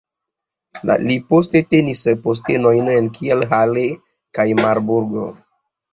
Li poste tenis postenojn en Kiel, Halle kaj Marburgo.